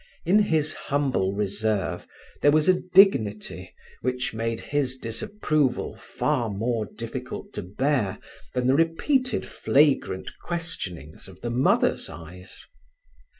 In his humble reserve there was a dignity which made his disapproval far more difficult to bear than the repeated flagrant questionings of the mother's eyes.